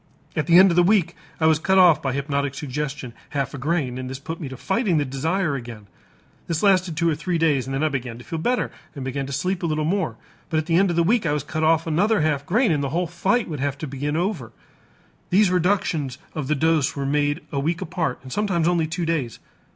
At the end of the week I was cut off by hypnotic suggestion half a grain and this put me to fighting the desire again. This lasted two or three days and then I began to feel better and began to sleep a little more. But at the end of the week I was cut off another half grain, and the whole fight would have to be begun over. These reductions of the dose were made a week apart and sometimes only two days.